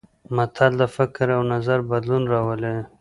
متل د فکر او نظر بدلون راولي